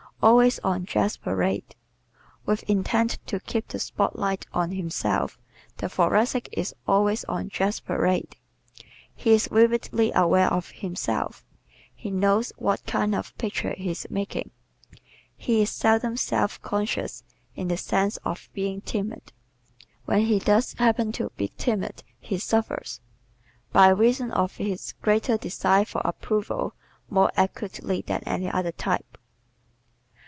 Always on "Dress Parade" ¶ With intent to keep the spotlight on himself the Thoracic is always on dress parade. He is vividly aware of himself; he knows what kind of picture he is making. He is seldom "self conscious," in the sense of being timid. When he does happen to be timid he suffers, by reason of his greater desire for approval, more acutely than any other type.